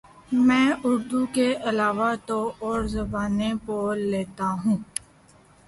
میں اردو کے علاوہ دو اور زبانیں بول لیتا ہوں